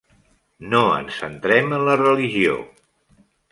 No ens centrem en la religió.